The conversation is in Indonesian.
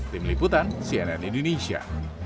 tim liputan cnn indonesia